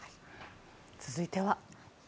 続いては。